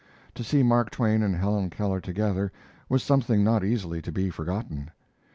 To see Mark Twain and Helen Keller together was something not easily to be forgotten.